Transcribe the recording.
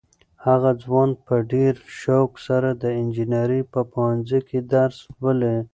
هغه ځوان په ډېر شوق سره د انجنیرۍ په پوهنځي کې درس لولي.